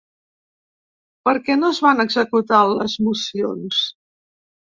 Per què no es van executar les mocions?